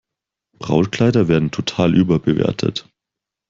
Brautkleider werden total überbewertet.